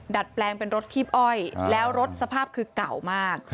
ดัดแปลงเป็นรถคีบอ้อยแล้วรถสภาพคือเก่ามาก